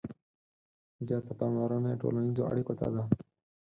• زیاته پاملرنه یې ټولنیزو اړیکو ته ده.